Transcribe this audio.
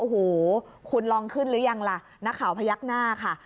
โอ้โหคุณลองขึ้นหรือยังล่ะนักข่าวพยักหน้าค่ะ